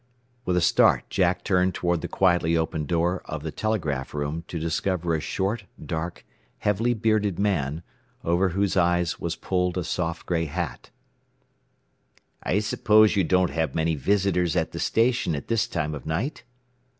With a start Jack turned toward the quietly opened door of the telegraph room to discover a short, dark, heavily bearded man, over whose eyes was pulled a soft gray hat. "I suppose you don't have many visitors at the station at this time of night?"